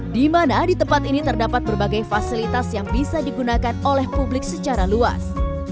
di mana di tempat ini terdapat berbagai fasilitas yang bisa digunakan oleh publik secara luas